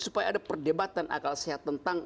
supaya ada perdebatan akal sehat tentang